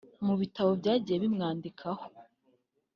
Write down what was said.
Mu bitabo byagiye bimwandikwaho